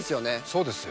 そうですよ